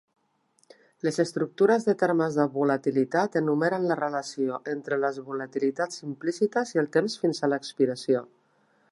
Les estructures de termes de volatilitat enumeren la relació entre les volatilitats implícites i el temps fins a l'expiració.